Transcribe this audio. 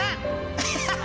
アハハハ！